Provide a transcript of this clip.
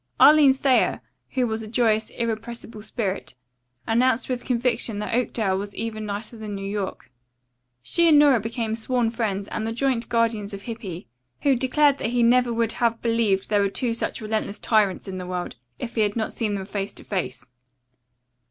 Arline Thayer, who was a joyous, irrepressible spirit, announced with conviction that Oakdale was even nicer than New York. She and Nora became sworn friends and the joint guardians of Hippy, who declared that he never would have believed there were two such relentless tyrants in the world, if he had not seen them face to face.